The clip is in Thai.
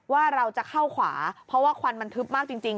ว่าเราจะเข้าขวาเพราะว่าควันมันทึบมากจริง